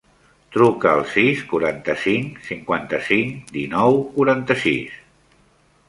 Truca al sis, quaranta-cinc, cinquanta-cinc, dinou, quaranta-sis.